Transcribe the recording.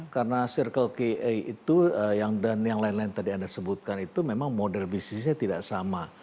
karena circle k itu dan yang lain lain tadi anda sebutkan itu memang model bisnisnya tidak sama